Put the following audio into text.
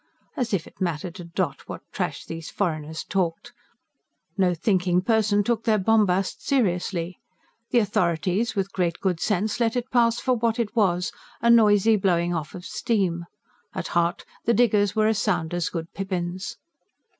As if it mattered a doit what trash these foreigners talked! No thinking person took their bombast seriously; the authorities, with great good sense, let it pass for what it was a noisy blowing off of steam. At heart, the diggers were as sound as good pippins.